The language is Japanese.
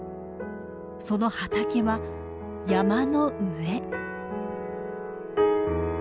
その畑は山の上。